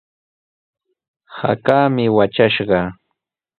Hakaami watrashqa.